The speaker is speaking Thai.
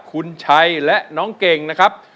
คุณชัยและน้องเก่งนะครับ